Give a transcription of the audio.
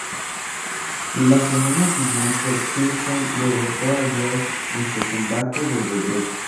La semana siguiente, Crimson derrotó a Joe en su combate de regreso.